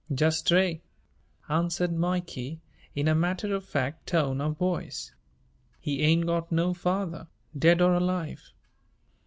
"Just Stray," answered Mikey in a matter of fact tone of voice. "He ain't got no father, dead or alive."